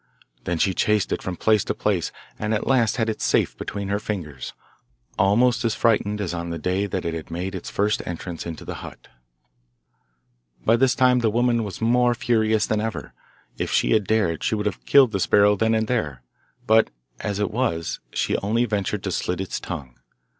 Then she chased it from place to place, and at last had it safe between her fingers, almost as frightened as on the day that it had made its first entrance into the hut. By this time the woman was more furious than ever. If she had dared, she would have killed the sparrow then and there, but as it was she only ventured to slit its tongue.